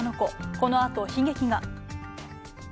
このあと悲劇が。